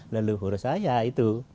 leluhur saya itu